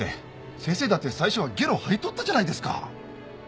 先生だって最初はゲロ吐いとったじゃないですか。